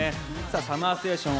ＳＵＭＭＥＲＳＴＡＴＩＯＮ